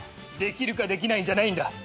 できるかできないじゃないんだ。